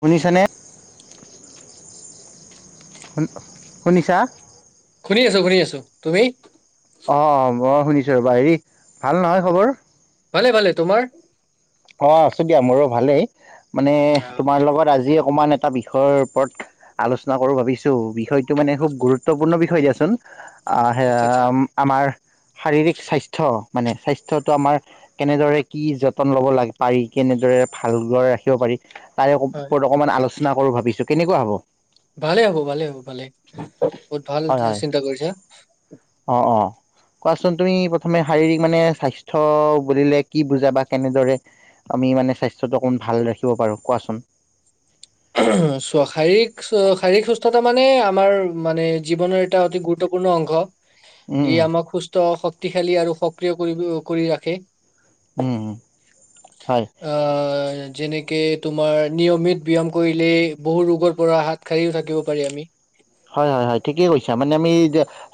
শুনিছা নে শুনিছা? শুনি আছো শুনি আছো তুমি অঁ অঁ মই শুনিছো ৰবা হেৰি ভাল নহয় খবৰ। ভালে ভালে তোমাৰ? অঁ আছো দিয়া মোৰো ভালেই মানে আহ, তোমাৰ লগত আজি- অকণমান এটা বিষয়ৰ ওপৰত আলোচনা কৰো ভাবিছো বিষয়টো মানে খুব গুৰুত্বপূৰ্ণ বিষয়। দিয়াচোন আচ্ছা আচ্ছা আমাৰ শাৰীৰিক স্বাস্থ্য। মানে স্বাস্থ্যতটো আমাৰ কেনেদৰে কি যতন ল'ব লাগে। পাৰি কেনেদৰে ভালদৰে ৰাখিব পাৰি তাৰে হয় ওপৰত অকণমান আলোচনা কৰোঁ ভাবিছোঁ কেনেকুৱা হ'ব। ভালে হ'ব ভালে হ'ব ভালেই বহুত ভাল হয় হয় চিন্তা কৰিছা। অ অ কোৱাচোন তুমি প্ৰথমে শাৰীৰিক মানে স্বাস্থ্য বুলিলে কি বুজা বা কেনেদৰে- আমি মানে স্বাস্থ্যটো অকমান ভাল ৰাখিব পাৰো কোৱাচোন? উ শাৰীৰিক শাৰীৰিক, অতা মানে আমাৰ মানে জীৱনৰ এটা অতি গুৰুত্বপূৰ্ণ অংশ। উম ই উম আমাক সুস্থ শক্তিশালী আৰু সক্ৰিয় কৰি কৰি ৰাখে। উম হয়! আহ যেনেকে তোমাৰ নিয়মিত ব্যয়াম। কৰিলে বহু ৰোগৰ পৰা হাত সাৰিও থাকিব পাৰি আমি। হয় হয় হয় ঠিকেই কৈছা মানে আমি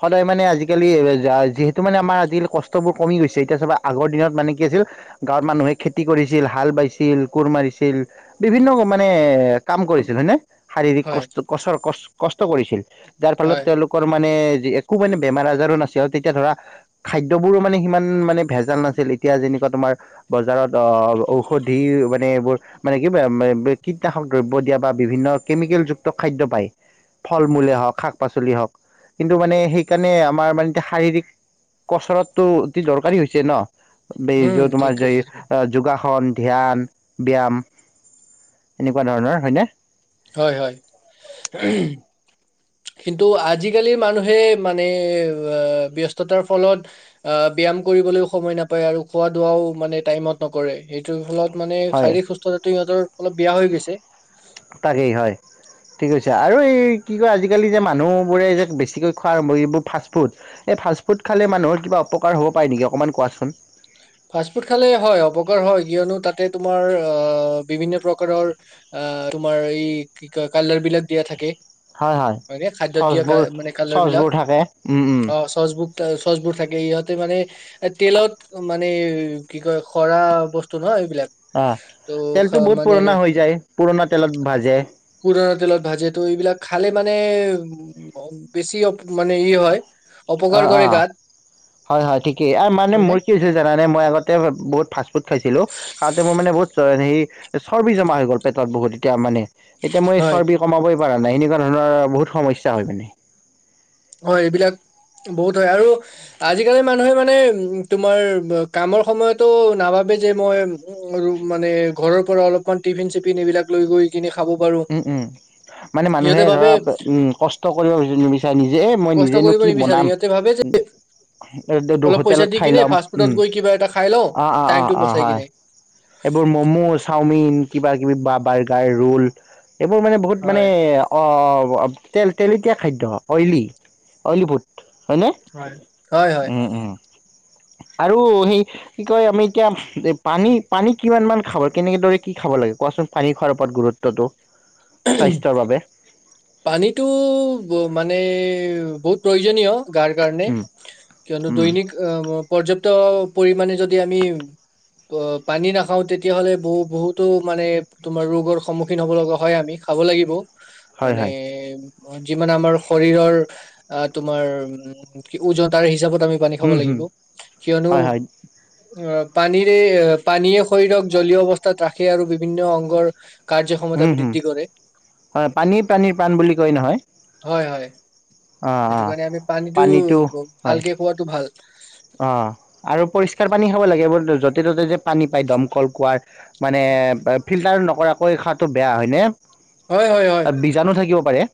সদায় মানে আজিকালি যিহেতু মানে আমাৰ আজালি- কমি গৈছে এতিয়া চবা আগৰ দিনত মানে কি আছিল গাঁৱৰ মানুহে খেতি কৰিছিল হাল বাইছিল কোৰ মাৰিছিল। বিভিন্ন মানে কাম কৰিছিল হয়ে নে? শাৰীৰিক হয় কষ্ট কচৰ কষ্ট কৰিছিল যাৰ ফলত হয় তেওঁলোকৰ মানে। একো মানে বেমাৰ আজাৰো নাছিল আৰু তেতিয়া ধৰা খাদ্যবোৰো মানে সিমান মানে ভেজাল নাছিল এতিয়া যে। এনেকুৱা তোমাৰ বজাৰত অঁ ঔষধি মানে এইবোৰ। মানে কি কীটনাশক দ্ৰব্য দিয়া বা বিভিন্ন কেমিকেল যুক্ত খাদ্য পায়। ফল মূলে হওঁক শাক পাচলি হওক কিন্তু মানে সেইকাৰণে আমাৰ মানে এতিয়া শাৰীৰিক। কচৰতটো অতি দৰকাৰী হৈছে ন বয উম তোমাৰ ঠিক যে কৈছা তুমি যোগাস। শন ধ্যান ব্যায়াম এনেকুৱা ধৰণৰ হয়নে। হয় হয়। কিন্তু আজিকালিৰ মানুহে মানে ব্যস্ততাৰ ফলত আহ। ব্যায়াম কৰিবলৈও সময় নাপায় আৰু খোৱা দোৱাও মানে টাইমত নকৰে সেইটোৰ ফলত। মানে হয় শাৰীৰিক সুস্থতাটো ইিহঁতৰ অলপ বেয়া হৈ গৈছে। তাকেই হয়। ঠিক কৈছে আৰু এই কি কয় আজিকালি যে মানুহবোৰে যে বেছিকৈ খোৱা আৰম্ভ এইবোৰ ফাষ্টফুড- ফাষ্টফুড খালে মানুহৰ কিবা অপকাৰ হ'ব পাৰে নেকি অকণমান কোৱাচোন। ফাষ্টফুড খালে হয় অপকাৰ হয় কিয়নো তাতে তোমাৰ বিভিন্ন প্ৰকাৰৰ। অঁ তোমাৰ এই কি ক কালাৰ বিলাক দিয়া থাকে। হয় ন খাদ্য দিয়া চচবোৰ মানে কালৰ বিলাক চচবোৰ থাকে উম উম অ চচবুক- চচবোৰ থাকে ইহতে মানে এ তেলত মানে কি কয় খৰা বস্তু নহয়। অ তহ তেলটো বহুত মানে পুৰণা হৈ যায় পুৰণা তেলত ভাজে হুৰৰ। তেলত ভাজে ত এইবিলাক খালে মানে উ বেছি মানে ই হয়। অপকাৰ অ' অ কৰে গাত 'হয় হয় ঠিকেই মানে হয়নে মোৰ কি হৈছে - জানা নে মই আগতে বহুত ফাষ্ট ফুড খাইছিলোঁ - সে চৰ্বি জমা হৈ গ'ল পেটত বহুত এতিয়া মানে। এতিয়া মই হয় চৰ্বি কমাবই পৰা নাই এনেকুৱা ধৰণ বহুত সমস্যা। অ' এইবিলাক বহুত হয়। আৰু আজিকালি মানুহে মানে তোমাৰ কামৰ সময়তো নাভাব। ঘৰৰ পৰা অলপমান টিফিন চিফিন এইবিলাক লৈ গৈ কিনে খাব পাৰো উম, উম মানে মানুহে সিহঁতে ভাবে ধৰা উম কষ্ট কৰিব নিবিচাৰে নিজে মই কষ্ট নিজেনো কৰিব কি নিবিচাৰে বনাম। সিহঁতে ভাবে যে এই অলপ পইচা হোটেলত দি খাই কিনে ল'ম। ফাষ্ট ফুডত উম, গৈ কিবা এটা খাই লওঁ অ, অ, অ, টাইমটো অ, বচাই হয়। কিনে এইবোৰ ম'ম', চাওমিন কিবা-কিবি বা বাৰ্গাৰ ৰোল। এইবোৰ মানে বহুত মানে হয় অ' তে তেলেতীয়া খাদ্য অইলী অইলী বহুত। হয়নে? হয় হয় হয় উম উম আৰু সেই কি কয় আমি এতিয়া পানী, পানী কিমান মান খাব কেনেকেদৰে কি খাব লাগে কোৱা চোন? পানী খোৱাৰ ওপৰত গুৰুত্বটো স্বাস্থ্যৰ বাবে। পানীতটো মানে বহুত প্ৰয়োজনীয়। গাৰ কাৰণে, উম, কিয়নো উম, দৈনিক আহ পৰ্যাপ্ত পৰিমা মানে যদি আমি অ'পানী নাখাও তেতিয়াহ'লে বহু বহুতো মানে তোমাৰ ৰোগৰ সন্মুখীন হব লগা হয় আমি। খাব লাগিব। হয়, মানে, হয়, যিমানে আমাৰ শৰীৰৰ তোমাৰ কি উজতাৰ হিচাপত আমি পানী খাব উম, হুম, লাগিব। কিয়নো হয়, হয়, অ' পানীৰে এ পানীয়ে শৰীৰক জলীয় অৱস্থাত ৰাখে আৰু বিভিন্ন অংগৰ কাৰ্যক্ষমতা বৃদ্ধি কৰে। পানীৰ পাণ বুলি কয় নহয়। হয় হয় অ', সেইটো অ', কাৰণে আমি পানীতটো ভালকে খোৱাটো ভাল। অ'আৰু পৰিষ্কাৰ পানী খাব লাগে। কেৱল য'তে- ত'তে যে পানী পায় দমকল কঁৱোৱাৰ মানে ফিল্টাৰ নকৰাকৈ খোৱাটো বেয়া হয়নে? তাত বীজাণু থাকিব পাৰে।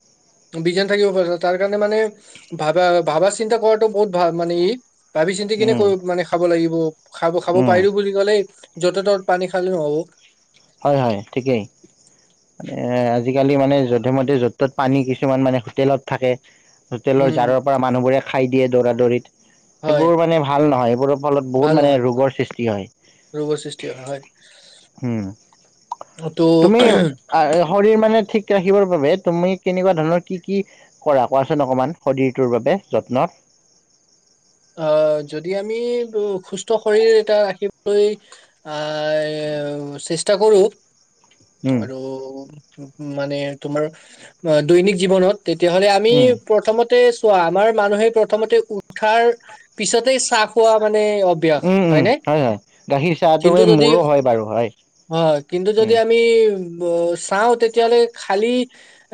বীজাণু থাকিব তাৰ কাৰণে মানে ভাবা ভাবা চিন্তা কৰাটো বহুত ভাল মানে ই। ভাবি চিন্তি কিনি উম, ক মানে খাব লাগিব। খাব খাব উম, পাৰিলো বুলি ক'লেই য'তে ত'ত পানী খালে নহ'ব। হয়, হয় ঠিকেই। আজিকালি মানে যধে-মধে য'ত ত'ত পানী কিছুমান মানে হোটেলত থাকে। হোটেলৰ উম জাৰৰ পৰা মানুহবোৰে খাই দিয়ে দৌৰা দৌৰিত। হয় সেইবোৰ মানে ভাল নহয়। এইবোৰৰ ফলত ভাল বহুত মানে নহয় ৰোগৰ সৃষ্টি হয়। ৰোগৰ সৃষ্টি হয় হয়। উম তুমি ত' শৰিৰ মানে ঠিক ৰাখিবৰ বাবে তুমি কেনেকুৱা ধৰণৰ কি কি কৰা কোৱাচোন অকমান, শৰীৰটোৰ বাবে? নত। অ' যদি আমি সুস্থ শৰীৰ এটা ৰাখিবলৈ আহ চেষ্টা কৰো। উম আৰু মানে তোমাৰ দৈনিক জীৱনত তেতিয়াহলে আমি উম প্ৰথমতে চোৱা, আমাৰ মানুহে প্ৰথমতে উঠাৰ পিছতে চাহ খোৱা মানে অভ্যাস উম, উম, হয়নে? হয়, হয় গাখীৰ চাহটো কিন্তু এই যদি মূৰো হয় বাৰু হয়। হয়। কিন্তু যদি উম আমি চাওঁ তেতিয়াহ'লে খালি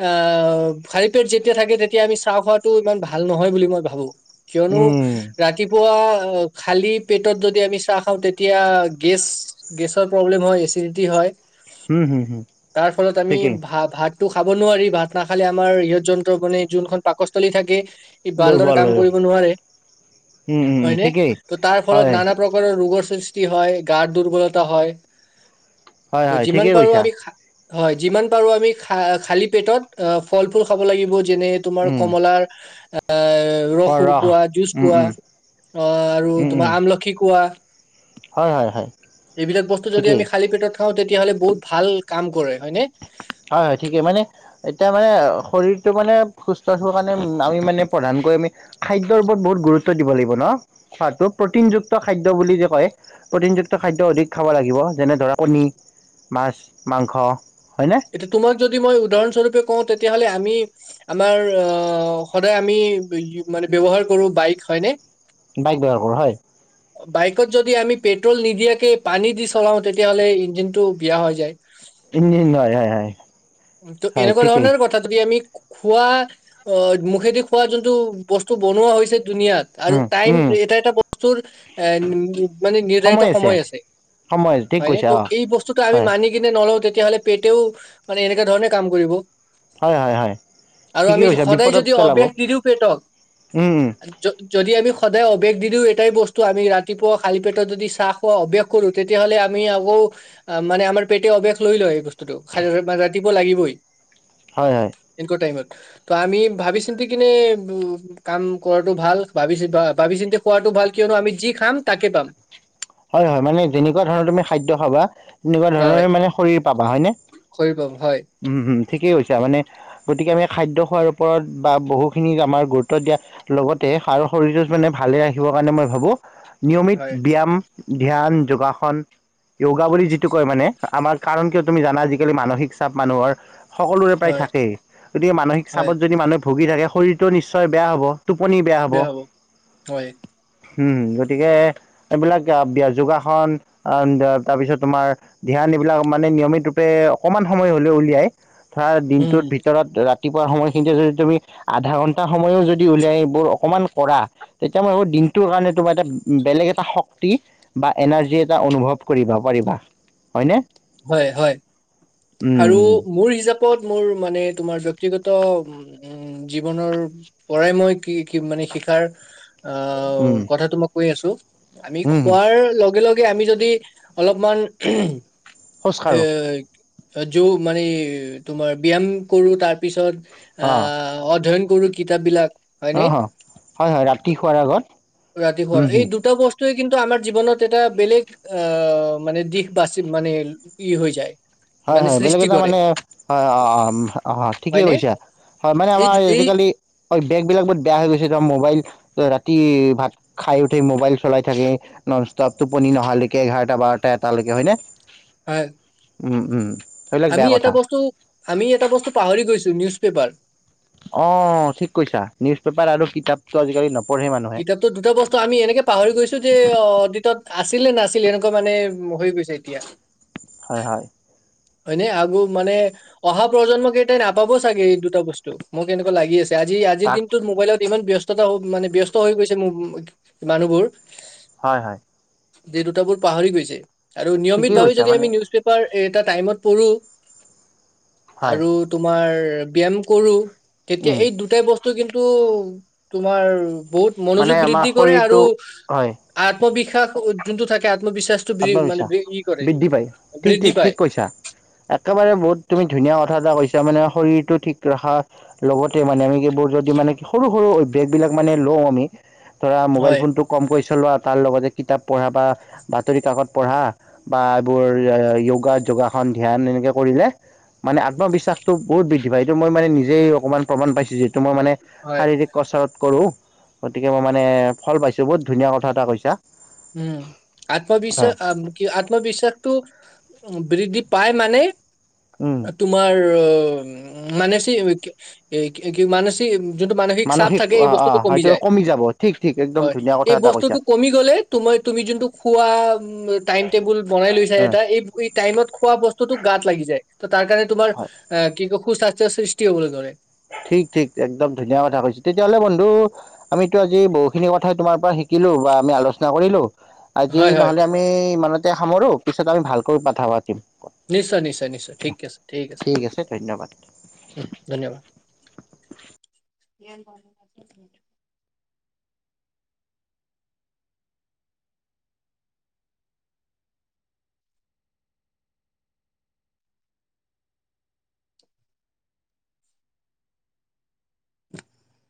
আহ খালি পেট যেতিয়া থাকে তেতিয়া আমি চা খোৱাত ইমান ভাল নহয় বুলি মই ভাবো কিয়নো উম ৰাতিপুৱা খালী পেটত যদি আমি চাহ খাওঁ তেতিয়া গেছ গেছৰ প্ৰব্লেম হয় এচিডিটি হয় হম হম হম তাৰ ফলত আমি ঠিকেই ভা ভাত খাব নোৱাৰি ভাত নাখালে আমাৰ সিহঁত যন্ত্ৰ মানে যোনখন পাকস্থলী থাকে। ই ভালদৰে দুৰ্বল কাম হয়। কৰিব নোৱাৰে উম উম হয় নে ঠিকেই ত তাৰ ফলত হয় নানা প্ৰকাৰৰ ৰোগ। সৃষ্টি হয় গাত দুৰ্বলতা হয় হয় ত হয় যিমান ঠিকেই পাৰো কৈছা আমি। হয় যিমান পাৰো আমি খা খালি পেটত অ ফল ফুল খাব লাগিব। যেনে তোমাৰ উম কমলাৰ অঁ ৰস অ', শুকুৱা জুচ উম, কোৱা উম, অ আৰু উম, উম, তোমাৰ আমলখি কোৱা হয় হয় হয় এইবিলাক বস্তু যদি ঠিকেই আমি খালি পেটত খাওঁ তেতিয়াহ'লে বহুত ভাল কাম কৰে। হয়নে হয় হয় ঠিকে মানে এতিয়া মানে শৰীৰটো মানে সুস্থ থব কাৰণে আমি মানে প্ৰধানকৈ আমি খাদ্যৰ ওপৰত বহুত গুৰুত্ব দিব লাগিব ন, খোৱাটো প্ৰটিন যুক্ত খাদ্য বুলি যে কয় প্ৰটিন যুক্ত খাদ্য অধিক খাব লাগিব যেনে ধৰা কণী মাছ মাংস হয়নে এতিয়া তোমাক যদি মই উদাহৰণস্বৰূপে কওঁ তেতিয়া তেতিয়াহ'লে আমি আমাৰ অ সদায় আমি মানে ব্যৱহাৰ কৰো বাইক হয়নে বাইক ব্যৱহাৰ কৰোঁ হয়। বাইকত যদি আমি পেট্ৰল নিদিয়াকে পানী দি চলাও তেতিয়াহ'লে ইঞ্জিনতটো বিয়া হৈ যায়, ইঞ্জিন হয়, হয়, হয়, উ তো হয়, এনেকুৱা ঠিকেই ধৰণৰ কথা যদি আমি খোৱা অ মুখেদি খোৱা যোনটো বস্তু বনোৱা হৈছে ধুনীয়াত আৰু উম, টাইম উম, এটা এটা বস্তুৰ এ উ মানে নিৰ্ধাৰিত সময় আছে সময় ঠিক হয়নে কৈছা অ', ত' এই বস্তুতটো আমি হয়, মানি কিনে নলও তেতিয়াহ'লে পেটেও মানে এনেককা ধৰণে কাম কৰিব হয় হয় হয় আৰু ঠিকেই আমি কৈছা সদায় বিপদত যদি পেলাব অভ্যাস নিদিও পেটক উম, উম, যদি আমি সদায় অভ্যাস দি দিওঁ এটাই বস্তু আমি ৰাতিপুৱা খালী পেটত যদি চাহ খোৱা অভ্যাস কৰোঁ তেতিয়াহ'লে আমি আকৌ মানে আমাৰ পেটে অভ্যাস লৈ লয়েই বস্তুটো খ ৰাতিপুৱা লাগিবই হয়, হয়। ইনকা টাইমত ত আমি ভাবি চিন্তি কিনে উ কাম কৰাটো ভাল ভাবি ভাবি চিন্তি খোৱাটো ভাল কিয়নো আমি যি খাম তাকে পাম হয় হয় এনেকুৱা হয় ধৰণৰে মানে শৰীৰ পাবা হয়নে? খৰি পাম হয় ঠিকেই হৈছে মানে গতিকে আমি খাদ্য খোৱাৰ ওপৰত বা বহুখিনি আমাৰ গুৰুত্ব দিয়াৰ লগতে আৰু শৰীৰটো মানে ভালে ৰাখিবৰ কাৰণে মই ভাবোঁ হয় নিয়মিত ব্যায়াম ধ্যান যোগাসন য়গা বুলি যিটো কয় মানে আমাৰ কাৰণ কিয় তুমি জানা আজিকালি মানসিক চাপ মানুহৰ সকলোৰে প্ৰায় হয় থাকেই গতিকে মানসিক হয় চাপত যদি মানুহে ভুগি থাকে শৰীৰটো নিশ্চয় বেয়া হ'ব। টোপনি বেয়া হ'ব হয় গতিকে এইবিলাক যোগাসন তাৰপিছত তোমাৰ ধ্যান এইবিলাক মানে নিয়মিত ৰূপে অকমান সময় হলে উলিয়াই ধৰা উম দিনটোৰ ভিতৰত ৰাতি ৰাতিপুৱা সময়খিনিতে যদি তুমি আধা ঘন্টা সময়ও যদি উলিয়াই ও অকণমান কৰা তেতিয়া মই টোৰ কাৰণে তোমাৰ এটা বেলেগ এটা শক্ত শক্তি বা এনাৰ্জি এটা অনুভৱ কৰিব পাৰিবা হয়নে? হয় হয় আৰু উম, মোৰ হিচাপত মোৰ মানে, তোমাৰ ব্য়ক্তিগত উ জীৱনৰ পৰাই মই কি কি মানে শিকাৰ অ উম, উম, কথাতটো মই কৈ আছো আমি উম, খোৱাৰ লগে লগে আমি যদি অলপমান খোজ এ কাঢ়ো যো মানে তোমাৰ ব্যায়াম কৰো তাৰপিছত অধ্যয়ন সৰু কিতাপবিলাক অ অ হয় হয় ৰাতি শোৱাৰ আগত ৰাতি উম, খোৱাৰ হম। এই দুটা বছ কিন্তু আমাৰ জীৱনত এটা বেলেগ আহ মানে দিশ বাচি মানে ই হৈ যায় হয় মানে হয় বেলেগ সৃষ্টি এটা কৰে মানে হয় অ অ ঠিকেই হয়নে কৈছা হয় মানে এই আমাৰ এই আজিকালি বেগ বিলাক বহুত বেয়া হৈ গৈছে মোবাইল ত ৰাতি ভাত খাই উঠি মোবাইল চলাই থাকে নন ষ্টপটোপনি নহালৈকে এঘাৰটা বাৰতা এটালৈকে হয়নে? হয়। ওম ওম আমি এটা বস্তু আমি এটা বস্তু পাহৰি গৈছো নিউজ পেপাৰ অ ঠিক কৈছা নিউজ পেপাৰ আৰু কিতাপতটো আজিকালি ন কিতাপতো দুটা বস্তু আমি এনেকে পাহৰি গৈছো যে অতিতত আছে, আছিলে নাছিলে এনেকুৱা মানে হৈ গৈছে এতিয়া হয় হয় হয়নে আগৌ মানে অহা প্ৰজন্মক এইটাই নাপাব চাগে এই দুটা বস্তু মোক এনেকুৱা লাগি আছে আজি আজিৰ তাক দিনটোত মোবাইলত ইমান ব্যস্ততা মানে ব্যস্ত হৈ গৈছে মানুহবোৰ হয় হয় যে দুটাবোৰ পাহৰি গৈছে আৰু ঠিকেই নিয়মিতভাৱে কৈছা যদি মানে আমি নিউজ পেপাৰ এ তাত টাইমত পঢ়ো হয় আৰু তোমাৰ ব্যয়াম কৰো তেতিয়া উম এই দুটাই বস্তু কিন্তু তোমাৰ বহুত মানে মনোযোগ আমাৰ বৃদ্ধি কৰে আৰু শৰীৰটো হয় আত্মবিশ্বাস যোনটো থাকে আত্মবিশ্বাসটো মানে আত্মবিশ্বাস ই কৰে বৃদ্ধি পায় ঠিক বৃদ্ধি ঠিক পায় ঠিক কৈছা একেবাৰে বহুত তুমি ধুনীয়া কথা এটা কৈছা মানে শৰীৰটো ঠিক ৰখাৰ লগতে মানে আমি এইবোৰ যদি মানে কি সৰু সৰু অভ্যাসবিলাক মানে লওঁ আমি ধৰা মোবাইল হয় ফোনটো কমকৈ চলোৱা আৰু তাৰ লগতে কিতাপ পঢ়া বা বাতৰি কাকত পঢ়া বা এইবোৰ য়গা যোগাসন ধ্যান এনেকে কৰিলে মানে আত্মবিশ্বাসতটো বহুত বৃদ্ধি পায় এই মই নে নিজেই অকণমান প্ৰমণ পাইছো যে তোমাৰ মানে হয় শাৰীৰিক কচৰত কৰোঁ গতিকে মই মানে ফল পাইছোঁ বহুত ধুনীয়া কথা এটা কৈছা উম আত্মবিশ্বাস হয় আম কি আত্মবিশ্বাসটো বৃদ্ধি পাই মানে উম তোমাৰ অ উম মানেচি কি কি মানেচি যোনটো মানসিক চাপ থাকে এই অ অ বস্তুটো কমি হয়টো যায় যাব ঠিক ঠিক একদম হয় ধুনীয়া কথা এই এটা কৈছা বস্তুটো কমি গলে মই তুমি জোনটো খোৱা উম টাইম টেবুল বনাই লৈছা অ এটা এই বস্তুটো তাত লাগি যায় ত তাৰ কাৰণে তোমাৰ হয় অ কি ক সু স্বাস্থ্যৰ সৃষ্টি হবলৈ ধৰে ঠিক ঠিক একদম ধুনীয়া কথা কৈছা তেতিয়াহ'লে বন্ধু আমিতো আজি বহুখিনি কথাই তোমাৰ পৰা শিক শিকিলোঁ বা আমি আলোচনা কৰিলোঁ আজি হয় হয় নহলে আমি ইমানতে সামৰো পিছত আমি ভালকৈ পঠা পাত নিশ্চয় নিশ্চয় নিশ্চয় ঠিক আছে ঠিক আছে উম ধন্যবাদ [unintelligible]